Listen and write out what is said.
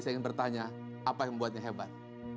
saya ingin bertanya apa yang membuatnya hebat